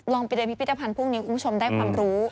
ไปเดินพิพิธภัณฑ์พรุ่งนี้คุณผู้ชมได้ความรู้